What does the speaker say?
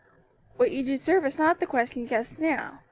"What you deserve is not the question just now.